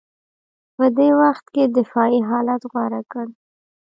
په دې وخت کې دفاعي حالت غوره کړ